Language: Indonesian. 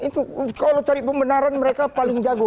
itu kalau cari pembenaran mereka paling jago